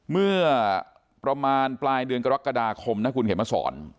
เมื่อประมาณปลายเดือนกรกฎาคมนะคุณเขียนมาสอน